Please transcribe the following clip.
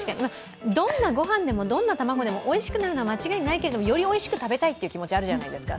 どんなご飯でもどんな卵でもおいしくなるのは間違いないけどよりおいしく食べたいという気持ちがあるじゃないですか。